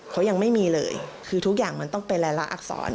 เขายังไม่มีเลยคือทุกอย่างมันต้องเป็นรายละอักษร